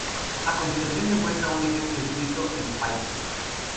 A continuación se muestra un ejemplo escrito en Python